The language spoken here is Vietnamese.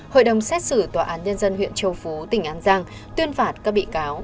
hội đồng xét xử tòa án nhân dân huyện châu phú tỉnh an giang tuyên phạt các bị cáo